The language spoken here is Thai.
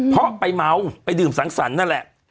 เพราะไปเมาไปดื่มสังสรรค์นั่นแหละ